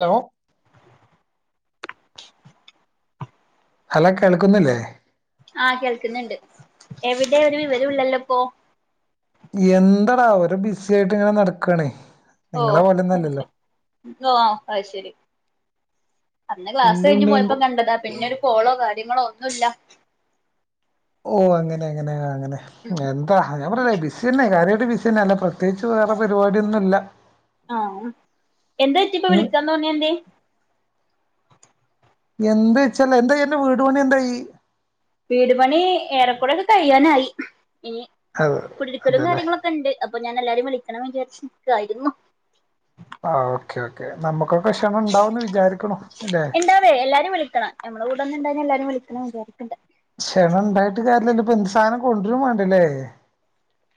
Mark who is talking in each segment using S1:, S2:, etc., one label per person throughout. S1: Hello hello കേൾക്കുന്നില്ലേ
S2: ആ കേൾക്കുന്നുണ്ട് എവിടെയാ ഒരു വിവരവും ഇല്ലല്ലോ ഇപ്പോൾ
S1: എന്തടാ ഒരുബിസി ആയിട്ട് ഇങ്ങനെ നടക്കണേ
S2: ഓ അത് ശരി ഓ അത് ശരി അന്ന് ക്ലാസ് കഴിഞ്ഞ്
S1: എന്തുണ്ട്ണ്ട്
S2: പോയപ്പോ കണ്ടതാ പിന്നെ ഒരു കോളോ കാര്യങ്ങളോ ഒന്നുംല്ല
S1: ഓ അങ്ങനെ അങ്ങനെയ അങ്ങനെ എന്താ ഞാ പറ ബിസിന്നെ കാര്യ ബിസിന്നെല്ല പ്രത്യേകിച്ച് വേറെ പരിപാടിയൊന്നും ഇല്ല
S2: ആ എന്താറ്റിപ്പ വിളിക്കാൻ തോന്നിയ എന്തെ
S1: എന്ത് ച്ചാല് എന്താ എന്റെ വീടു പണി എന്തായി
S2: വീട് പണി ഏറെക്കുറെ ഒക്കെ കഴിയാനായി ഇനി
S1: അത്
S2: കുടിരിക്കലും
S1: അതല്ലേ
S2: കാര്യങ്ങളുംക്കെ ഉണ്ട് അപ്പൊ ഞാൻ എല്ലാരും വിളി എണം വിചാരിച്ചക്ക ആയിരു ന്നു
S1: ആ ഓക്കെ ഓക്കെ നമ്മുക്ക്
S2: ഉണ്ടാവേ എല്ലാരും വിളിക്കണം നമ്മടെ കൂടെ ഒന്ന ഇണ്ട എല്ലാരും വിളിക്കണം [unintelligible]
S1: ക്ഷണം ഉണ്ടായിട്ട് കാര്യല്ലല്ലോ ഇപ്പൊ എന്തു സാധനം കൊണ്ടുരും വേണ്ടല്ലേ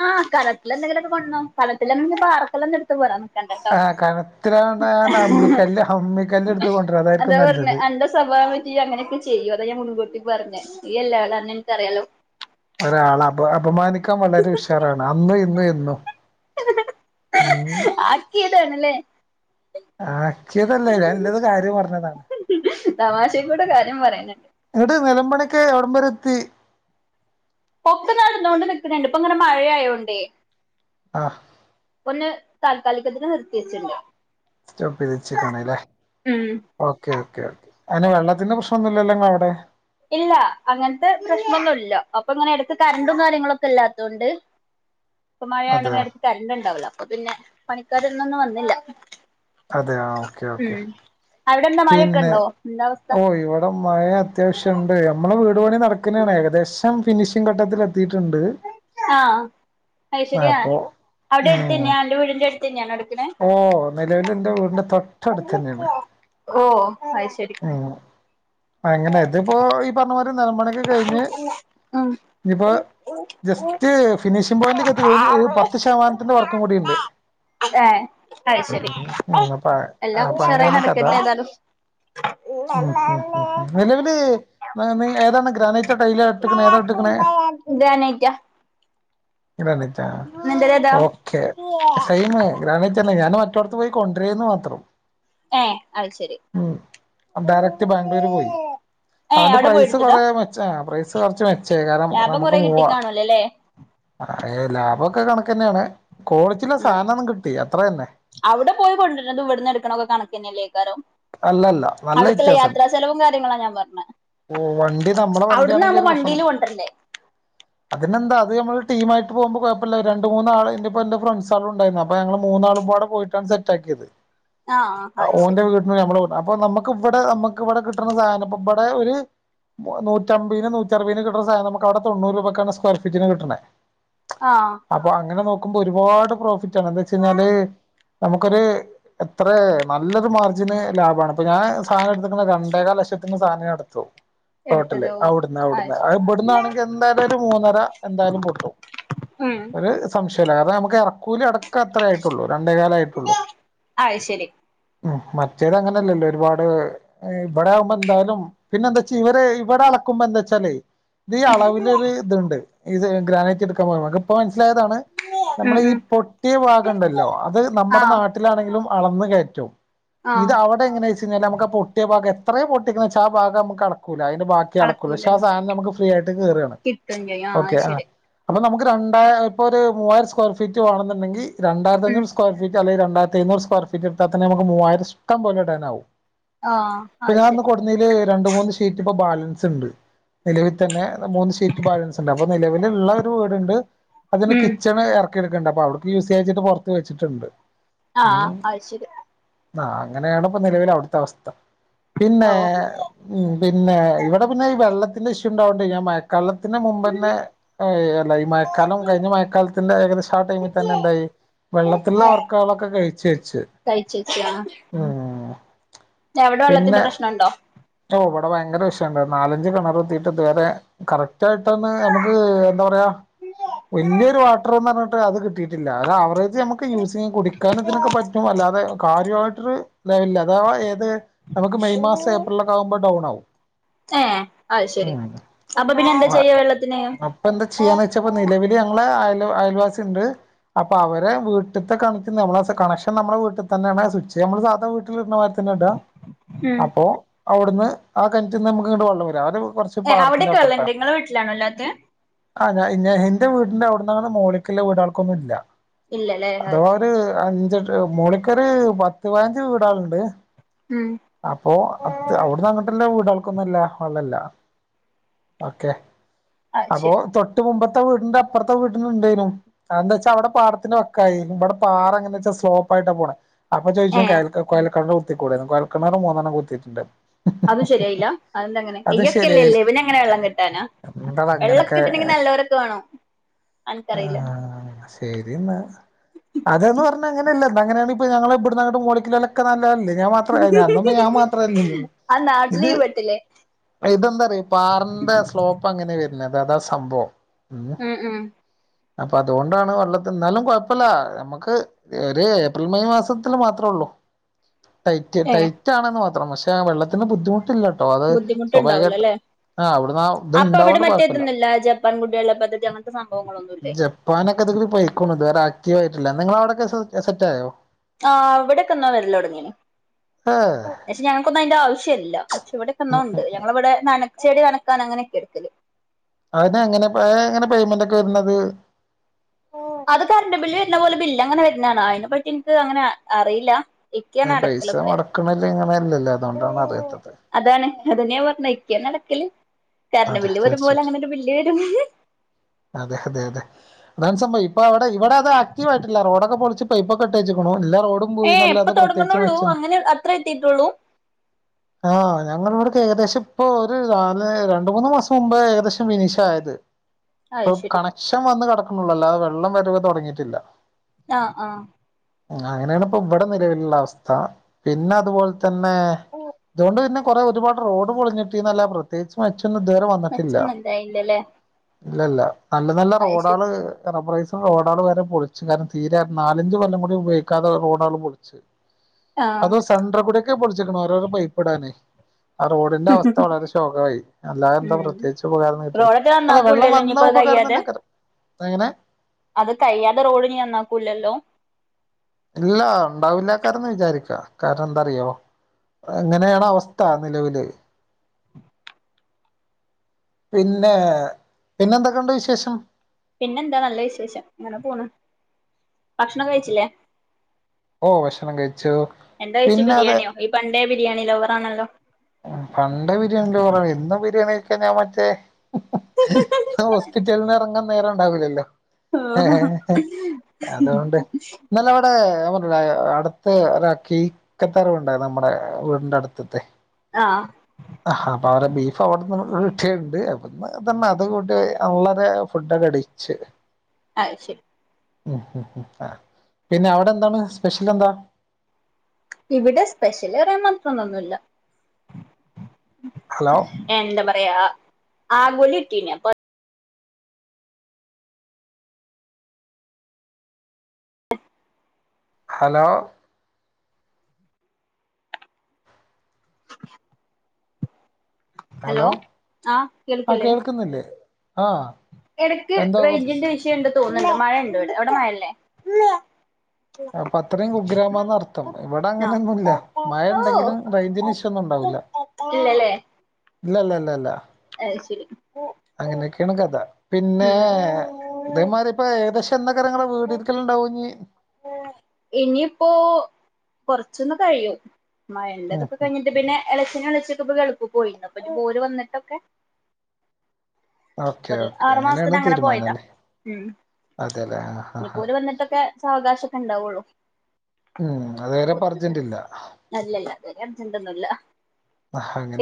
S2: ആ കലത്തില എന്തെങ്കിലും അത് കൊണ്ടോന്നോ കലത്തില എന്തെ ലും പാർക്കെല്ലന്ത എടുത്ത് പോരാ ണ്ടട്ടോ
S1: ആ കനത്തിലാവണ്ട അമ്മിക്കല്ല് അമ്മിക്കല്ല് എടുത്ത് കൊണ്ടുവരാ
S2: അതാ
S1: അതായിരിക്കും
S2: പറഞ്ഞെ
S1: നല്ലത്
S2: അന്റെ- പോകൻ പറ്റോ അങ്ങനെയൊക്കെ ചെയ്യു അതാ ഞാൻ മുൻകൂട്ടി പറഞ്ഞെ ഇയ്യല്ലേ ആള് അന്നെ ഇന്ക് എനിക്കറിയാലോ
S1: ഒരാളെ അപ അപമാനിക്കാൻ വളരെ ഉഷാറാണ് അന്ന് ഇന്ന് എന്നും ഉം
S2: ആക്കിയതാണല്ലേ
S1: ആക്കിയതല്ലേല്ല എന്റെത് കാര്യം പറഞ്ഞതാണ്
S2: ഇടെ കാര്യം പറയുന്നുണ്ട്
S1: ക്കെ എവിടെമ്പരത്തി
S2: ഒ ക്കെ നടന്നോണ്ട് നിക്കുന്നുണ്ട് ഇപ്പൊ ഇങ്ങനെ മഴയായോണ്ടേ
S1: ആഹ്
S2: ഒന്ന് താൽക്കാലികത്തിന് നിർത്തി വെച്ചിണ്ട്.
S1: സ്റ്റോപ്പ് ചെയ്ത് വെച്ച്ക്കണ്ല്ലേ?
S2: ഉം
S1: ഓക്കെ ഓക്കേ ഓക്കേ അതിന് വെള്ളത്തിന്റെ പ്രശ്നൊന്നും ഇല്ലല്ലോ നിങ്ങള അവ്ടെ?
S2: ഇല്ല. അങ്ങനത്തെ പ്രശ്നൊന്നുംല്ല അപ്പൊ ഇങ്ങനെ എടക്ക് കറണ്ടും കാര്യങ്ങളൊക്കെ ഇല്ലാത്തൊണ്ട് പ്പ മഴയായൊണ്ട്
S1: അതെയോ
S2: നേരത്ത് കരണ്ട്ണ്ടാവൂലാ അപ്പൊ പിന്നെ പണിക്കാരൊന്നും ഇന്ന് വന്നില്ല
S1: അതെയോ ഓക്കെ ഓക്കെ
S2: ഉം അവിടെ എന്താ
S1: പിന്നെ
S2: മഴെക്കെണ്ടോ എന്താ അവസ്ഥ?
S1: ഓ ഇവിടെ മഴ അത്യാവശ്യണ്ട് നമ്മള് വീട്പണി നടക്കണേണ് ഏകദേശം ഫിനിഷിങ് ഘട്ടത്തിൽ എ ത്തിട്ടുണ്ട്
S2: ആഹ് അയ്ശെരിയാ
S1: അപ്പോ
S2: അവിടെ
S1: ഉം.
S2: അടുത്തന്നെയാ അന്റെ വീടിന്റെ അടുത്തന്നെയാണോ എടുക്കണെ
S1: ഓ നിലവില് ന്റേ വീടിന്റെ തൊട്ടടുത്ത്ന്നെണ്.
S2: ഓ അയ്ശെരി
S1: അങ്ങനെ ഇതിപ്പോ ഈ പറഞ്ഞമരി നിലം പണിക്കെ കഴിഞ്ഞ്,
S2: ഉം
S1: ഇനിപ്പോ ജസ്റ്റ് ഫിനിഷിംഗ് പോയിന്റ്ക്കെത്തി ഒരു ഒരു പത്ത് ശതമാനത്തിന്റെ വർക്കും കൂടിണ്ട്.
S2: ഏ അത് ശരി
S1: ഉം ഉം അപ്പ
S2: എല്ലാം
S1: അപ്പ
S2: ഉഷാറായി
S1: അങ്ങനെയാണ് കഥ.
S2: നടക്കട്ടെ ഏതാലും
S1: ഉം ഉം ഉം ഉം നിലവില് നീ, നീ ഏതാണ് ഗ്രാ റ്റ, ടൈയില ട്ട്ക്കണ ഏതാ ട്ട്ക്ണേ?
S2: ഇതാനേറ്റ
S1: ഗ്രാനൈറ്റാ,
S2: നിന്റെതേതാ
S1: ഓക്കെ സൈമ് ഗ്രാനൈറ്റാ ഞാൻ മറ്റോട്ത്ത് പോയി കൊണ്ടരേന്ന് മാത്രം
S2: ഏ അത് ശരി.
S1: ഡയറക്ട് ബാംഗ്ലൂര് പോയി
S2: ഏ
S1: അതൊണ്ട്
S2: അവിടെ
S1: പ്രൈസ്
S2: പോയെടുത്തതാ
S1: കൊറേ മെച്ചായി, പ്രൈസ് കൊറച്ച് മെച്ചായി കാരണം
S2: ലാഭം
S1: നമുക്ക്
S2: കൊറെ
S1: പൂവാ.
S2: കിട്ടിക്കാണൂലല്ലേ
S1: യേ ലാഭൊക്കെ കണക്കെന്നെണ്.
S2: ഉം. അവിടെ പോയി കൊണ്ടര്നതും, ഇവ് ട്ന്ന് എടുക്കണക്കെ കണക്ക ന്നെല്ലേക്കാരം?
S1: അല്ലല്ല നല്ല
S2: അവിട്ക്കുള്ള യാത്രാ
S1: വ്യത്യാസമുണ്ട്
S2: ചെലവും കാര്യങ്ങളാണ് ഞാൻ പറഞേ.
S1: ഓ വണ്ടി നമ്മളെ
S2: അവിടുന്നാ
S1: വണ്ടിയാണെങ്കിൽ
S2: വുമ്പ
S1: ഒരു പ്രശ്നം
S2: വണ്ടിയില് കൊണ്ടരണ്ടേ?
S1: അതിനെന്താ, അത് നമ്മള് ടീമായിട്ട് പോവുമ്പോ കുഴപ്പല്ല. രണ്ട് മൂന്നാൾ ഇ ന്റെ പ്പം ന്റെ ഫ്രണ്ട്സാളും ണ്ടായിരുന്നു അപ്പ ഞങ്ങള് മൂന്നാളും വിടെ പോയിട്ടാണ് സെറ്റാ ക്കിയത്.
S2: ആഹ അ ശരി.
S1: അപ്പൊ നമുക്ക് ഇവടെ നമുക്ക് ഇവടെ കിട്ടണ സാധനം ഇപ്പ ബടെ ഒരു നൂറ്റമ്പിന് നൂറ്റ, അറുവീന് കിട്ടണ സാധനം നമുക്ക വിടെ തൊണ്ണൂറ് രൂപക്കാണ് സ്ക്വർ ഫീറ്റിന് കിട്ടണേ.
S2: ആഹ്
S1: അപ്പൊ അങ്ങനെ നോക്കുമ്പോ ഒരുപാട് പ്രോഫിറ്റാ ണ്. എന്താ ചെയ്ഞ്ഞാല് നമുക്കൊരു എത്ര നല്ലൊരു മാർഗ ന് ലാഭാണ് ഇപ്പൊ ഞാൻ സാധന എടുത്ത്ക്ക്ണെ രണ്ടേകാൽ ലക്ഷത്തിന് സാനം ഞാൻ എടുത്തു. ടോട്ടല്
S2: എടുത്തത് ഓ
S1: അവിടന്ന് അവിടന്ന് അത് ഇബ്ട് ന്നാണെങ്കി എന്തായാലും ഒരു മൂന്നര എന്തായാലും പൊട്ടും.
S2: ഉം
S1: ഒരു സംശയം ല്ല. അത് മ്മക്ക് എറക്കൂലി അടക്കം അത്ര ആയിട്ടുള്ളൂ. രണ്ടേ കാലായിട്ടുള്ളൂ.
S2: അത് ശരി
S1: ഉം ചേത അങ്ങനെയല്ലല്ലോ ഒരുപാട് ഇവിടെയാവുമ്പോ എന്തായാലും പിന്നെന്താ ച്ചാ ഇവര് ഇവിടെ അളക്കുമ്പോ എന്താ ച്ചാ ഇത് ഈ അളവില് ഒരു ഇത്ണ്ട്. ഏത് ഗ്രാനേറ്റ് ടുക്കാൻ മ്പോ ങ്ങക്ക് ഇപ്പൊ മനസ്സിലായതാണ് നമ്മൾ
S2: ഉം
S1: ഈ
S2: ഉം
S1: പൊട്ടിയ ഭാഗം ണ്ടല്ലോ? അത് നമ്മടെ
S2: ആഹ്
S1: നാട്ടിലാണെങ്കിലും അളന്നന്ന് കയറ്റു.
S2: ആഹ്
S1: ഇത് അവിടെ എങ്ങനെയാ വെച്ചയിഞ്ഞാല് നമുക്ക് ആ പൊട്ടിയ ഭാഗം എത്ര എത്രയും പൊട്ടിക്ണെ ച്ചാ ആ ഭാഗം നമുക്ക് അടക്കും അതിന്റെ ബാക്കി അളകൊള്ളു. പക്ഷെ ആ
S2: അളക്കൂലല്ലേ
S1: സാനം ഞമ്മക്ക് ഫ്രീ ആയിട്ട് കേറാ ണ് ച്ച്
S2: കിട്ടും ചെയ്യും ആഹ്
S1: ഓക്കെ
S2: അത്
S1: ആ.
S2: ശരി
S1: പ്പം നമുക്ക് രണ്ടായി ഇപ്പോൾ ഒരു മൂവായിര സ്ക്വയർ ഫീറ്റ് വേണെന്നുണ്ടെങ്കിൽ രണ്ടായിരത്ത
S2: ഉം
S1: ഞ്ഞൂറ് സ്ക്വയർ ഫീറ്റ് ല്ലെ രണ്ടായിരത്തി എഴുന്നൂറ്‌ സ്വയർ ഫീറ്റ് എടുതാത ന്നെ മ്മക്ക് മൂായിരം ഇഷ്ട്ടം പോലെ ടനാവും.
S2: ആഹ്
S1: ഇപ്പൊ
S2: അത്
S1: ഞാ ന്ന്
S2: ശരി
S1: കൊട്ന്നീല് രണ്ട്‌, മൂന്ന് ഷീറ്റ് പ്പൊ ബാലൻസ് ണ്ട്. നിലവി തന്നെ മൂന്ന് ഷീറ്റ് ബാലൻസ് ണ്ട് അപ്പൊ നിലവിലള്ള രു വീടുണ്ട് അതിന്റെ
S2: ഉം
S1: കിച്ചണ് ഇറക്കി യെട്ക്കണ്ട് അപ്പൊ അവ്ട്ക്ക് യൂസീയ ച്ട്ട് പുറത്ത് വെച്ചിട്ടുണ്ട്
S2: ആഹ
S1: ഉം
S2: ആ ശരി.
S1: ആ അങ്ങനെയാണ്പ്പ നിലവിലെ അവ്ട് ത്തെ അവസ്ഥ. പിന്നെ
S2: ഓ
S1: ഉം പിന്നെ ഇവിടെ പിന്നെ ഈ വെള്ളത്തിന്റെ ഇഷ്യൂ ഇണ്ടാവോണ്ട് ഞാൻ മാ ക്കലത്തിന്റെ മുമ്പന്നെ അല്ല ഈ മഴക്കാലം കഴിഞ്ഞ മഴക്കാലത്തിന്റെ ഏകദേശം ആ ടൈമിൽ തന്നെ എന്തായി വെള്ളത്തിലുള്ള വർക്കാളൊക്കെ കഴിച്ചച്ച്
S2: [unintelligible] എവ്ടെ
S1: പിന്നെ
S2: വെള്ളത്തിന്റെ പ്രശ്നണ്ടോ?
S1: ഓ ഇവടെ ഭയങ്കര ഇഷ്യുണ്ട് നാലഞ്ച് കിണർത്തീട്ട് ഇതുവരെ കറക് [unintelligible] നമുക്ക് എന്താ പറയാ വല്യരു വാട്ടർ എന്ന് പറഞ്ഞിട്ട് അത് കിട്ടിട്ട് ഇല്ല ഒരാവറേജ് നമുക്ക് യൂസ്ൻ കുടിക്കാനതിനൊക്കെ പറ്റും അല്ലാതെ കാര്യായിട്ടൊരു ലെവല്ഇല്ല [unintelligible] ഏത് നമുക്ക് മെയ് മാസ ഏ ക്കുമ്പത് ഡൗൺ ആവും
S2: ഏഹ് അയ്ശെരി
S1: [unintelligible] അപ്പൊ എന്താ ചെയ്യാന്ന് വെച്ചപ്പോ നിലവില് ഞങ്ങളെ അയൽ അയൽവാസിണ്ട് അപ്പൊ അവരെ വീട്ട്ത്തെ [unintelligible] കണക്ഷൻ നമ്മളെ വീട്ടിതന്നേണ് സ്വിച്ച് നമ്മൾ സാധാ വീട്ടില് ഇട്ണമാതി ടാ
S2: ഉം
S1: അപ്പോ അവ്ട്ന്ന് ആ കെണ്റ്റ്ന്ന് നമുക്ക് ഇങ്ങട്ട് വെള്ളം വെരും അത്
S2: ഏഹ് അവിടൊക്കെ വെള്ളണ്ട് ഇങ്ങളെ വീട്ടിലാണോ ഇല്ലാത്തെ
S1: ആ ഞ ഞാൻ എന്റെ വീടിന്റെ അവിടന്നാണ്ട് മോള്ക്ക്ള്ള വീടാ ൾക്കൊന്നും ഇല്ല
S2: ഇല്ലല്ലേ അത്
S1: അഥവാ ഒര് അഞ്ചട്ട് മോളിക്കൊരു പത്ത് പതിനഞ്ച് വീടാള്ണ്ട്
S2: ശരി ഉം
S1: അപ്പോ അ അവിടുന്ന് അങ്ങിട്ട്ല്ല വീടാള് ഒന്നുല്ല വെള്ളല്ല ഓക്കെ
S2: അത്
S1: അപ്പോ
S2: ശരി
S1: തൊട്ട് മുബ [unintelligible] വീടിന്റെ അപ്പർത്തെ വീട്ടിലും ഉണ്ടേനു അതെഞെച്ചാ അവ്ടെ പാട്ത്തിന്റെ വക്കായിനു ഇവടെ പാറങ്ങനെച്ച സ്ലോപാ [unintelligible] പോണെ അപ്പൊ
S2: ഏ
S1: ചോയ്ക്കും കെ യൽ കുഴൽ ക്കിണർ കുത്തിക്കൂടെ കുഴൽ ക്കിണർ മൂന്നണ്ണം കുത്തിട്ടുണ്
S2: അത് ശരിയായില്ല അതെന്ത അങ്ങനെ
S1: ശരിയായില്ല
S2: ഇയ്യൊക്കെല്ലേള്ളേ പിന്നെങ്ങന വെള്ളം കിട്ടാനാ
S1: എന്താടാ
S2: വെള്ളൊക്കെ കിട്ടണെങ്കിൽ നല്ലോരക്കെ വേണം അനക്കറിയില്ല
S1: ആഹ് ശരിന്നാ അതന്ന് പർഞ്ഞ അങ്ങനല്ല ണ്ട് അങ്ങനെയാണിപ്പ ഞങ്ങളെ ഇബട്ന്നങ്ങട്ട് മോളിക്ക്ല്ലോലൊക്കെ നല്ലതല്ലേ ഞാൻ മാത്ര അയ് ഞാ അന്നൊന്നും പ്പം ഞാൻ മാത്ര അല്ലല്ലോ
S2: ആ നാട്ടില്
S1: ഇത്
S2: ഈ പെട്ടില്ലേ
S1: ഇതെന്താറിയോ പാറന്റെ സ്ലോപ്പ് അങ്ങനെ [unintelligible] അതാ സംഭവം
S2: ഉം ഉം
S1: അപ്പൊ അതുകൊണ്ടാണ് വെള്ളത്തി ന്നാലും കൊഴപ്പല്ല നമ്മുക്ക് ഒരു ഏപ്രിൽ മെയ് മാസത്തില് മാത്രേ ഒള്ളൂ ടൈറ്റ്
S2: ഏ
S1: ടൈറ്റാണെന്ന് മാത്രം പക്ഷെ ആ വെള്ളത്തില് ബുദ്ധിമുട്ടില്ല കേട്ടോ അത് സ്വാഭാവികായിട്ട്
S2: ബുദ്ധിമുട്ടുണ്ടാവൂലല്ലേ
S1: ആഹ് അവിട്ന്നാ ഇത്
S2: അപ്പൊ അവിടെ
S1: ഇണ്ടാവോണ്ട് കൊഴപ്പല്ല.
S2: മറ്റേതൊന്നുല്ല ജപ്പാൻ കുടിവെള്ള പദ്ധതി അങ്ങനത്തെ സംഭവങ്ങളൊന്നുല്ലേ
S1: ജപ്പാനൊക്കെ [unintelligible] ആക്റ്റീവായിട്ടില്ല നിങ്ങളവിടെക്കെ സെ സെറ്റ് ആയോ
S2: ആഹ് ഇവിടൊക്കെ എന്നോ വെര്ല്ലൊട്‌ങ്ങീണ്.
S1: ഏഹ്
S2: പക്ഷെ ഞങ്ങക്കൊന്നും അയ്ന്റെ ആവശ്യല്ല. പക്ഷെ ഇവിടെക്കെന്നോണ്ട് ഞങ്ങളിവിടെ നന ച്ചെടിനനക്കാൻ അങ്ങനെയൊക്കെട്ക്കല്
S1: അതിനെങ്ങനെ അ ഏ എങ്ങനെ പെയ്മെന്റ് ഒക്കെ വെര്നത്
S2: അത് കർന്റ് ബില്ല് വരുന്ന പോലെ ബില്ലങ്ങനെ വർന്നാണ അയിനെ പറ്റി ഇൻക്ക് അങ്ങനെ അറിയില്ല ഇക്കാണ്
S1: പൈസ
S2: അടക്കലൊക്കെ
S1: മുടക്കണല്ല ഇങ്ങനെയല്ലല്ലോ അതുകൊണ്ടാണ് അറിയാത്തത്
S2: അതാണ് അതന്നേ പർന്നെ ഇക്കേണടക്കല്
S1: അതെ തീർച്ചായിട്ടും
S2: വരും
S1: അതെ അതെ അതാ ഇപ്പ അവിടെ ഇവിടെ അത് ആക്ടവ് ആയിട്ടില്ല റോഡൊക്കെ പൊൾച്ച് പൈപ്പക്കെട്ടേച്ച്‌ക്നു ഇല്ല റോഡും
S2: ഏ ഇപ്പൊ
S1: പോയിന്നല്ലാതെ പ്രത്യേകിച്ച്
S2: തുടങ്ങണള്ളൂ
S1: മെച്ചന്നും
S2: അങ്ങനെ അത്ര എത്തിയിട്ടുള്ളൂ
S1: ആഹ് ഞങ്ങളിവിടെ ഏകദേശം ഇപ്പൊ ഒരു നാല് രണ്ടുമൂന്ന് മാസം മുമ്പ് ഏകദേശം ഫിനിഷായത് പ്പൊ
S2: അത് ശരി
S1: കണക്ഷൻ വന്ന് കടക്ക്ണെള്ളൂ അല്ലാതെ വെള്ളം വരവ് തൊടങ്ങീട്ടില്ല.
S2: ആഹ് ആഹ്
S1: ആഹ് അങ്ങനാണ് പ്പം ഇവടെ നിലവിലുള്ള അവസ്ഥ പിന്നെ അതുപോൽ തന്നെ ഇതോണ്ട് പിന്നെ കൊറെ ഒരുപാട് റോഡ് പൊളിഞ്ഞിട്ടിന്നല്ല പ്രത്യേകിച്ച് മെച്ചെ [unintelligible] ഇതുവരെ വന്നിട്ടില്ല
S2: മെച്ചൊന്നും ഇണ്ടായില്ലല്ലേ
S1: ഇല്ല ല്ല നല്ല നല്ല
S2: അത് ശരി
S1: റോഡാള് റബ്ബറയ് [unintelligible] റോഡാൾ വരെ പൊൾച്ചു കാരണം തീരെ നാലഞ്ച് കൊല്ലം കൂടി ഉപയോഗിക്കാതെ റോഡാള് പൊൾച്ച് അത്
S2: ആഹ്
S1: സെണ്ട്രകൂടെക്കെ പൊൾച്ചിർ ക്ക്ണെ ഓരോരോ പൈപ്പിടാനേ ആ റോഡിന്റെ അവസ്ഥ വളരെ ശോകമായി അല്ലാതെന്താ
S2: ഉം
S1: പ്രത്യേകിച്ച് ഉപകാരം കിട്ടില്ല
S2: റോഡൊക്കെ
S1: അല്ല വെള്ളം
S2: നന്നാക്കൂല്ലല്ലോ ഇനിയിപ്പോ
S1: വന്ന
S2: അത്
S1: ഉപകാരം
S2: കഴിയാതെ
S1: തന്നെക്കരം എങ്ങനെ
S2: അത് കഴിയാതെ റോഡിനി നന്നാക്കൂല്ലല്ലോ
S1: ഇല്ല ഉണ്ടാവില്ലകാരന്ന് വിചാരിക്ക കാരണം എന്താറിയോ അങ്ങനെയണ് അവസ്ഥ നിലവിൽ പിന്നെ പിന്നെന്തൊക്കെയുണ്ട് വിശേഷം
S2: പിന്നെന്താ നല്ല വിശേഷം അങ്ങനെ പോണ് ഭക്ഷണമോക്കെ കഴിച്ചില്ലേ?
S1: ഓ ഭക്ഷണം കഴിച്ചു
S2: എന്താ കഴച്ചത്
S1: പിന്നെ അതെ
S2: ബിരിയാണിയോ ഈ പണ്ടേ ബിരിയാണി ലൗവറാണല്ലോ
S1: പണ്ട് ബിരിയാണി ലൗവറോക്കെ ഇന്ന്‌ ബിരിയാണിക്കെ ഞാൻ മറ്റേ ഹോസ്പിറ്റലിന് ഇറങ്ങാൻ നേരം ഉണ്ടാവില്ലല്ലോ
S2: ഓഹ്
S1: അതുകൊണ്ട് ഇന്നലെവിടെ അടുത്ത് ഒ കീക്കത്തറുണ്ട നമ്മുടെ വീടിന്റെ അടുത്തത്തെ
S2: ആഹ്
S1: ആ അപ്പൊ അവിടെ ബീഫ് അവിടെ ഒക്കെണ്ട് അന്ന് തന്നെ അതികൂട്ടി നല്ലൊരു ഫുഡൊക്കെ അടിച്ച്
S2: ആ ശരി
S1: ഉം ഉം ഉം ആ പിന്നെ അവിടെ എന്താണ് സ്പെഷ്യൽ എന്താ
S2: ഇവിടെ സ്പെഷ്യൽ പറയാൻ മാത്രന്നൊന്നുല്ല
S1: ഹലോ
S2: എന്താ പറയാ ആഗോലി കിട്ടീനെ അപ്പൊ
S1: ഹലോ
S2: ഹലോ ആ
S1: ആഹ്
S2: കേൾക്കില്ലേ
S1: കേൾക്കുന്നില്ലേ ആഹ്
S2: ഇടക്ക്
S1: എന്തോ കുറച്ച്
S2: റേഞ്ചിന്റെ വിഷയുണ്ട് തോന്ന്ണ്ട് മഴണ്ട് ഇവിടെ അവിടെ മഴല്ലേ
S1: അപ്പൊ അത്രയും കുഗ്രാമന്ന് അർത്ഥം ഇവിടെ
S2: ആഹ്
S1: അങ്ങനൊന്നുല്ല മഴ
S2: ഓഹ്
S1: ഇണ്ടെങ്കിലും റേഞ്ചിന് വിഷയൊന്നുണ്ടാവില്ല ഇല്ല
S2: ഇല്ലല്ലേ
S1: ഇല്ല ല്ല ല്ല ല്ല
S2: അത് ശരി ഉം
S1: അങ്ങനെയൊക്കെയാണ് കഥ പിന്നെ ഇതേമാതിരി ഇപ്പൊ ഏകദേശം എന്നെക്കാരം ഇങ്ങളെ വീട് ഇരിക്കലുണ്ടാവഞ്ഞി
S2: ഇനിയിപ്പോ കൊറച്ചൊന്ന് കഴിയും
S1: ഉം,
S2: മഴണ്ടതൊക്കെ
S1: ഉം.
S2: കഴിഞ്ഞിട്ട് പിന്നെ ഇളച്ചനും ഇളച്ചി ക്കെ പ്പോ ഗൾഫ് പോയിട്ടിണ്ട് അപ്പൊ ഓര് വന്നിട്ടൊക്കെ
S1: ഓക്കെ
S2: ഒരു
S1: ഓക്കെ
S2: ആറു
S1: അങ്ങനെയാണ്
S2: മാസത്തിന് അങ്ങനെ
S1: തീരുമാനം
S2: പോയതാ
S1: അല്ലേ
S2: ഉം
S1: അതെല്ലേ ആ ഹാ ഹാ
S2: ഇനിപോല് വന്നിട്ടൊക്കെ സാവകാശം ഒക്കെണ്ടാവുള്ളു
S1: ഉം അത് വരെപ്പ അർജന്റില്ല
S2: അർജന്റൊന്നുംല്ല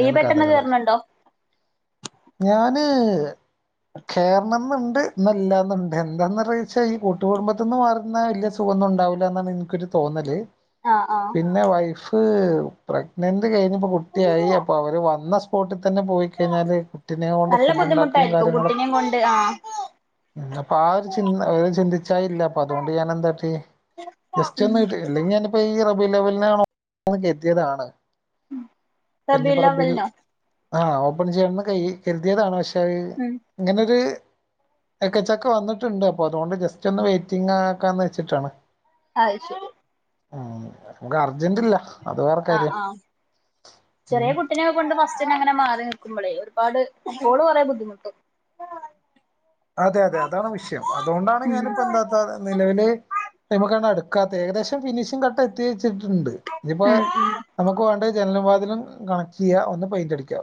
S2: ഇയ്യ് പെട്ടെന്ന്
S1: കഥകള്
S2: കേറുന്നുണ്ടോ
S1: ഞാന് കേറണം ഇണ്ട് എന്നാ ഇല്ലാന്നുണ്ട് എന്താന്ന് വെച്ചാൽ ഈ കുട്ടുകുടുംബത്തിനിന്ന് മാറുന്ന വല്യ സുഖൊന്നും ഉണ്ടാവില്ല എന്നാണ് എനി എനിക്കൊരു തോന്നല്
S2: ആഹ് ആഹ്
S1: പിന്നെ വൈഫ് പ്രഗ്നനന്റ് കഴിഞ്ഞിപ്പോ കുട്ടിയായി അപ്പൊ അവര് വന്ന സമ വോട്ടിൽ തന്നെ പോയി കഴിഞ്ഞാൽ കുട്ടിനെ കൊണ്ട്
S2: നല്ല
S1: ഫുഡ് ഉണ്ടാക്കലും
S2: ബുദ്ധിമുട്ടായിരിക്കും
S1: കാര്യങ്ങളൊക്കെ
S2: കുട്ടിനേം കൊണ്ട് ആഹ്
S1: അപ്പൊ ആ ഒരു ചിന്ത ചിന്തിച്ചായില്ല അപ്പൊ അതുകൊണ്ട് ഞാൻ എന്താട്ടി ജസ്റ്റ്
S2: ഉം
S1: ഒന്ന് കെട്ടി ഇല്ലെങ്കിൽ ഞാനിപ്പോ ഈ റബീഉൽ അവ്വലിന് [unintelligible] കരുതിയതാണ്
S2: റബീഉൽ അവ്വലിനോ
S1: ആഹ് ഓപ്പൺ ചെയ്യണംന്ന് കരുതിയതാണ് പക്ഷേ
S2: ഉം
S1: ഇങ്ങനൊരു എക്കച്ചക്ക വന്നിട്ടുണ്ട് അപ്പൊ അതുകൊണ്ട് ജസ്റ്റ് ഒന്ന് വെയിറ്റിംഗ് ആക്കാന്ന് വെച്ചിട്ടാണ്
S2: അത് ശരി
S1: ഉം നമ്മക്ക് അർജന്റില്ല
S2: ആ ആഹ്
S1: ഉം
S2: ചെറിയ കുട്ടിനെ കൊണ്ട് ഫസ്റ്റിന അങ്ങനെ മാറി നിക്ക ക്കുമ്പോളേ ഒരുപാട് ഓള് കുറെ ബുദ്ധിമുട്ടും
S1: അതെ അതെ അതാണ് വിഷയം അതുകൊണ്ടാണ്
S2: ഉം
S1: ഞാനിപ്പോ എന്താത്ത നിലവിൽ അതിമേക്ക് അങ്ങ് അടുക്ക ത്ത ഏകദേശം ഫിനിഷിംഗ് കട്ടെത്തിയിച്ചിട്ട്ണ്ട് നിപ്പോ
S2: ഉം ഉം
S1: നമുക്ക് വേണ്ടത് ജനലും, വാതിലും, കണക്റ്റ് ചെയ്യാ ഒന്ന് പയിന്റ് അടിക്കാ.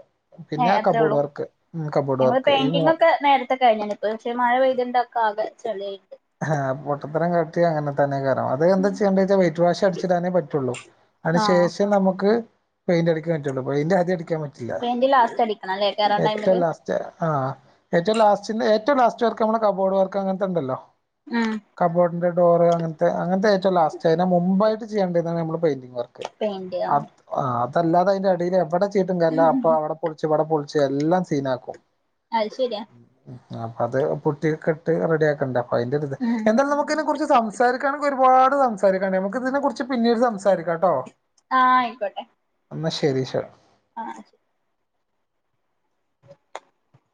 S1: പിന്നെ
S2: ഏയ് അത്രേ
S1: കബോർഡ്
S2: ഉള്ളൂ.
S1: വർക്ക് ഉം കബോർഡ്
S2: ഞങ്ങള്
S1: വർക്ക് ഈ മൂ
S2: പെയിന്റിംഗ് ഒക്കെ നേരത്തെ കഴിഞ്ഞ്ണ് പക്ഷെ മഴ പെയ്തിണ്ടൊക്കെ ആകെ ചെളിയായ്
S1: ആഹ് പൊട്ടത്തരം കാട്ടിയാ അങ്ങനെതന്നെയ്കാരം അത്എന്താ.. ചെയ്യണ്ടച്ചാൽ വൈറ്റ് വാഷ് അടിച്ചിടാനേ പറ്റെള്ളൂ അതിനു
S2: ആഹ്
S1: ശേഷം നമുക്ക് പെയിൻ്റ് അടിക്കാൻ പറ്റെള്ളൂ. പെയിൻ്റ് ആദ്യം അടി ക്കാൻ പറ്റില്ല,
S2: പെയിന്റ് ലാസ്റ്റ് അടിക്കണം അല്ലേ കേറാൻ
S1: ഏറ്റം
S2: ടൈമില്
S1: ലാസ്റ്റാ, ആഹ്. ഏറ്റം ലാസ്റ്റ്ന്റെ ഏറ്റം ലാസ്റ്റ് വർക്ക് നമ്മുടെ കബോഡ് വർക്ക് അങ്ങൻതണ്ടല്ലോ
S2: ഉം
S1: ൻ്റെ ഡോറ് അങ്ങനത്തെ അങ്ങൻത്തെ ഏറ്റവും ലാസ്റ്റ് അയിൻ്റെ മുമ്പായിട്ട് ചെയ്യണ്ടയിതാണ് നമ്മൾ പെയിന്റിങ് വർക്ക്‌
S2: പെയിന്റ് ആഹ്
S1: അപ് ആ.. അതല്ലാതെ അതിന്റെടിൽ എവിടെ ചെയ്തിട്ടും കാര്യല്ല അപ്പൊ അവിടെ പൊളിച്ച് ഇവിടെ പൊളിച്ച് ച്ച് എല്ലാം സീനാക്കും
S2: അയ് ശെരിയാ
S1: അപ്പൊ അത് പുട്ടിയൊക്കെഇട്ട് റെഡിയാക്കണ്ടെ അപ്പ അയിന്റെ ഒര്ത്
S2: ഉം
S1: എന്താലും നമുക്കതിനെ കുറിച്ച് സംസാ സംസാരിക്കുകയാണെങ്കിൽ സംസാരിക്കാനെക്കെ ഒരുപാട് സംസാരിക്കാണ്ട് നമുക്ക് ഇതിനെ കുറിച്ച് പിന്നീട് സംസാരിക്കാട്ടോ?
S2: ആഹ് ആയിക്കോട്ടെ..
S1: എന്നാൽ ശരി ശാ.
S2: ആഹ് ശരി അതെ